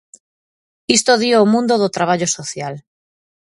Isto dío o mundo do traballo social.